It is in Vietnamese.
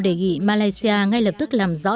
để ghi malaysia ngay lập tức làm rõ